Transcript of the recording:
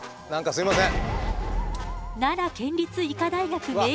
すいません！